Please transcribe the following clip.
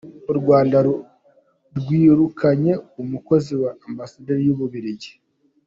U Rwanda rwirukanye umukozi wa Ambasade y’u Bubiligi